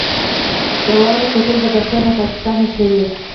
د دوراه کوتل بدخشان او پاکستان نښلوي